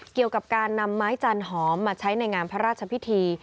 เกี่ยวกับการนำไม้จันหอมมาใช้ในงานพระราชพิธี